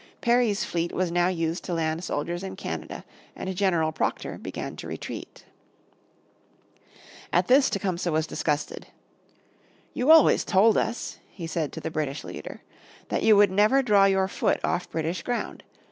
Perry's fleet was now used to land soldiers in Canada and General Proctor began to retreat. At this Tecumseh was disgusted. "You always told us," he said to the British leader, "that you would never draw your foot off British ground.